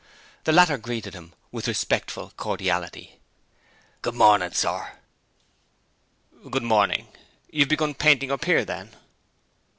The latter greeted him with respectful cordiality: 'Good morning, sir.' 'Good morning. You've begun painting up here, then.'